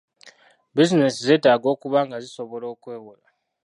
Buzinensi zeetaaga okuba nga sisobola okwewola.